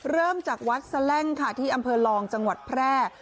เริ่มจากวัดแสลั่งค่ะที่อำเภอลองจังหวัดแพร่